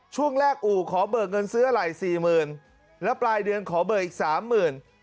ช่วงแรกอู่ขอเบอร์เงินซื้ออะไร๔๐๐๐๐บาทแล้วปลายเดือนขอเบอร์อีก๓๐๐๐๐บาท